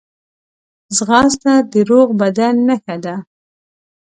ځغاسته د روغ بدن نښه ده